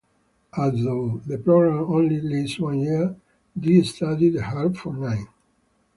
Although the program only lasted one year, Dee studied the harp for nine.